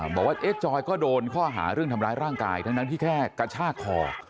บอกว่าจอยก็โดนข้อหาเรื่องทำร้ายร่างกายทั้งที่แค่กระชากคอ